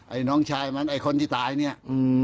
น้องชายมันไอ้คนที่ตายเนี่ย